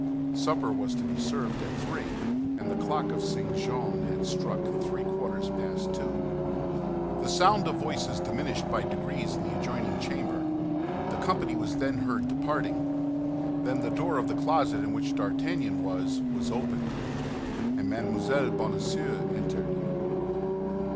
Supper was to be served at three, and the clock of St. Jean had struck three quarters past two. The sound of voices diminished by degrees in the adjoining chamber. The company was then heard departing; then the door of the closet in which D'Artagnan was, was opened, and Mme. Bonacieux entered.